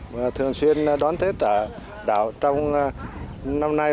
và thường xuyên đón tết ở đảo trong năm nay